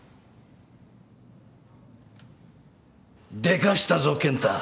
でかしたぞ健太。